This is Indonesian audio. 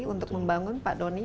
untuk membangun pak doni